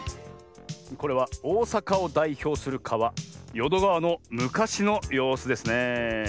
これはおおさかをだいひょうするかわよどがわのむかしのようすですねえ。